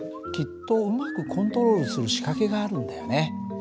きっとうまくコントロールする仕掛けがあるんだよね。